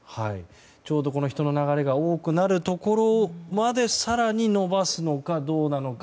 ちょうど人の流れが多くなるところまで更に延ばすのかどうなのか。